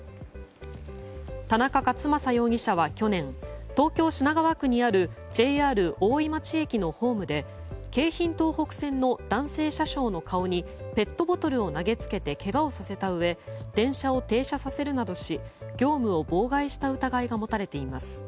田中克昌容疑者は去年東京・品川区にあるＪＲ大井町駅のホームで京浜東北線の男性車掌の顔にペットボトルを投げつけてけがをさせたうえ電車を停車させるなどし業務を妨害した疑いが持たれています。